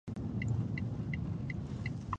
ښه اړیکې د بدن او ذهن لپاره ګټورې دي.